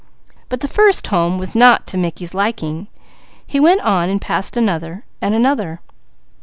But the first home was not to Mickey's liking. He went on, passing another and another.